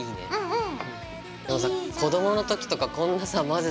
うん！